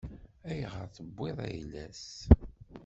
Ayɣer i tewwiḍ ayla-s?